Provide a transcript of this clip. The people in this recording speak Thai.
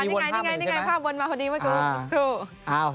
นี่ไงนี่ไงภาพวนมาพอดีมันก็รู้